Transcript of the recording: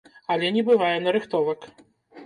Але не бывае нарыхтовак.